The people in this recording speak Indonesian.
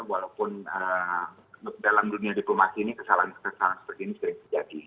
walaupun dalam dunia diplomasi ini kesalahan kesalahan seperti ini sering terjadi